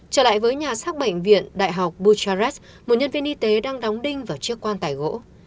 trở lại với nhà sát bệnh viện đại học bucharest một nhân viên y tế đang đóng đinh vào chiếc quan tài gỗ